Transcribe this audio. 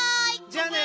じゃあね。